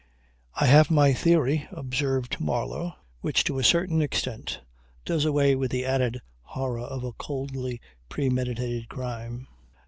"I have my theory," observed Marlow, "which to a certain extent does away with the added horror of a coldly premeditated crime.